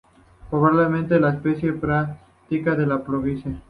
Probablemente la especie practica la poliginia.